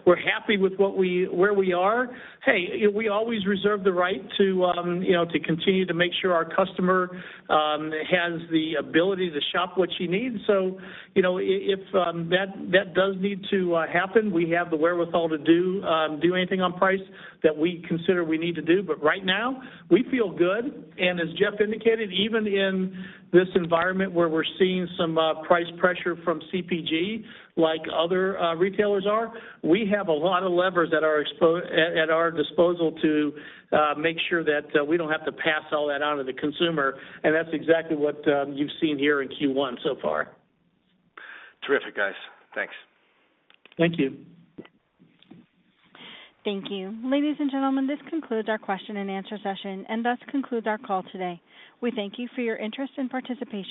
We're happy with where we are. Hey, we always reserve the right to continue to make sure our customer has the ability to shop what you need. If that does need to happen, we have the wherewithal to do anything on price that we consider we need to do. Right now, we feel good. As Jeff indicated, even in this environment where we're seeing some price pressure from CPG, like other retailers are, we have a lot of levers at our disposal to make sure that we don't have to pass all that on to the consumer, and that's exactly what you've seen here in Q1 so far. Terrific, guys. Thanks. Thank you. Thank you. Ladies and gentlemen, this concludes our question and answer session, and thus concludes our call today. We thank you for your interest and participation.